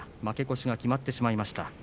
負け越しが決まってしまいました。